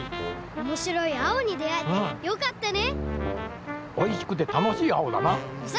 おもしろい青にであえてよかったね！